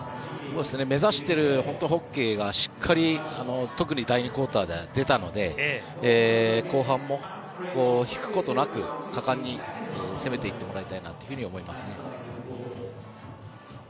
目指しているホッケーがしっかり特に第２クオーターでは出たので後半も引くことなく、果敢に攻めていってもらいたいなと思いますね。